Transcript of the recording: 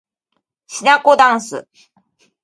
しなこだんす